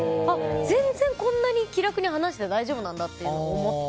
全然、こんなに気楽に話して大丈夫なんだと思って。